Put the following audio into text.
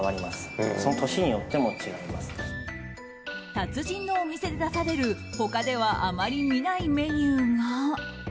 達人のお店で出される他ではあまり見ないメニューが。